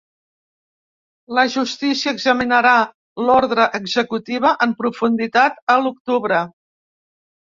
La justícia examinarà l’ordre executiva en profunditat a l’octubre.